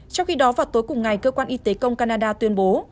trong khi đó vào tối cùng ngày cơ quan y tế công canada tuyên bố